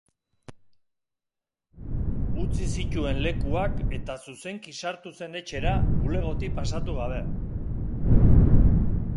Utzi zituen lekuak eta zuzenki sartu zen etxera, bulegotik pasatu gabe.